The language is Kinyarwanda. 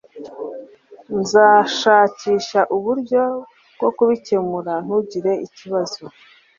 Nzashakisha uburyo bwo kubikemura. Ntugire ikibazo.